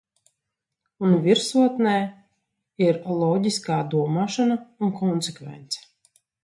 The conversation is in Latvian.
Un virsotnē ir loģiskā domāšana un konsekvence.